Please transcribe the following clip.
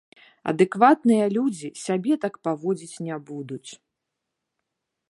Адэкватныя людзі сябе так паводзіць не будуць.